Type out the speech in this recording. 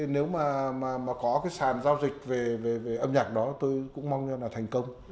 nếu mà có cái sàn giao dịch về âm nhạc đó tôi cũng mong cho là thành công